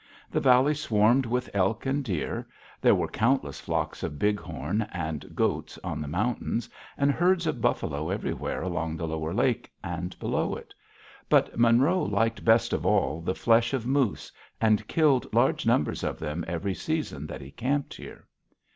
The valley swarmed with elk and deer; there were countless flocks of bighorn and goats on the mountains, and herds of buffalo everywhere along the lower lake, and below it; but Monroe liked best of all the flesh of moose, and killed large numbers of them every season that he camped here.